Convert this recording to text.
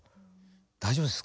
大丈夫です。